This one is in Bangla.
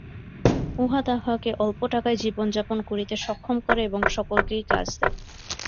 উহা তাহাকে অল্প টাকায় জীবনযাপন করিতে সক্ষম করে এবং সকলকেই কাজ দেয়।